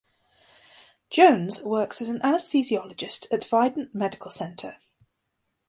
Jones works as an Anesthesiologist at Vidant Medical Center.